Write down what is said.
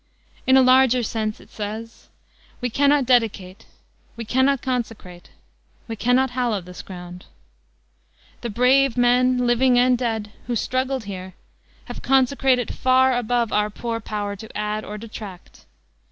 "In a larger sense," it says, "we cannot dedicate, we cannot consecrate, we cannot hallow this ground. The brave men, living and dead, who struggled here have consecrated it far above our poor power to add or detract.